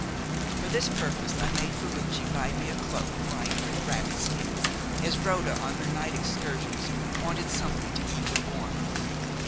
For this purpose I made Ferruci buy me a cloak lined with rabbit skins, as Rhoda on her night excursions wanted something to keep her warm.